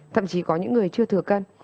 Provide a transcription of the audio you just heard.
thậm chí có những người chưa thừa cân